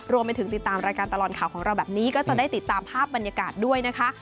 รวมไปถึงติดตามรายการตลอดข่าวของเราแบบนี้ก็จะได้ติดตามภาพบรรยากาศด้วยนะคะ